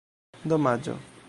domaĝo